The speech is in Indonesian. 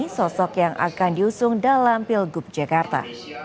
sosok yang akan diusung dalam pilgub jakarta